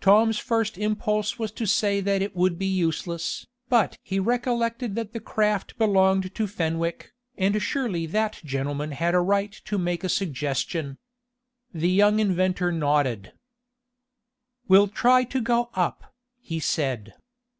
Tom's first impulse was to say that it would be useless, but he recollected that the craft belonged to Fenwick, and surely that gentleman had a right to make a suggestion. The young inventor nodded. "We'll try to go up," he said.